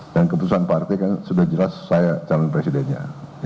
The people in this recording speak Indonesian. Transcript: dan keputusan partai kan sudah jelas saya calon presidennya